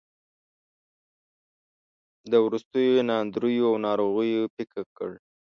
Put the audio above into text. د وروستیو ناندریو او ناروغیو پېکه کړ.